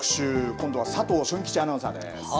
今度は佐藤俊吉アナウンサーです。